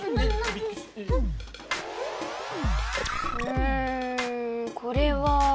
うんこれは。